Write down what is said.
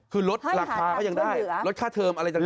คือลดราคาก็ยังได้ลดค่าเทอมอะไรต่าง